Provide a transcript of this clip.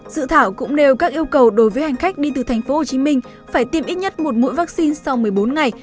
dự thảo cũng nêu các yêu cầu đối với hành khách đi từ tp hcm phải tiêm ít nhất một mũi vaccine sau một mươi bốn ngày